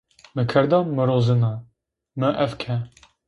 Mı kerda mırozıne, mı ef ke.